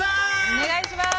お願いします。